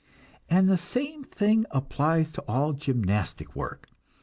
And the same thing applies to all gymnastic work.